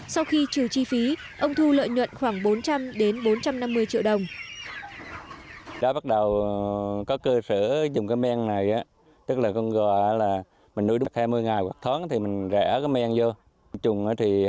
sau khi trừ chi phí ông thu lợi nhuận khoảng bốn trăm linh đến bốn trăm năm mươi triệu đồng